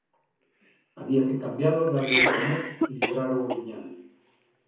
había que cambialo, darlle de comer, librar o ouriñal.